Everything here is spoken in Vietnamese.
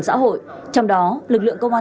xã hội trong đó lực lượng công an